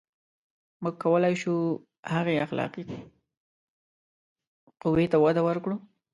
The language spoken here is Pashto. • موږ کولای شو، هغې اخلاقي قوې ته وده ورکړو.